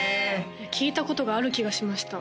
聴いたことがある気がしました